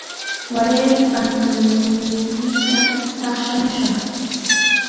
Waraymi pantulunniita taqshamushaq.